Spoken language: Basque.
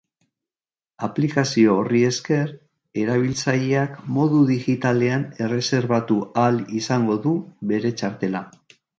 Aplikazio horri esker, erabiltzaileak modu digitalean erreserbatu ahal izango du bere txartela.